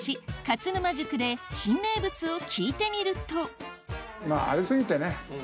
勝沼宿で新名物を聞いてみるとまぁあり過ぎてね。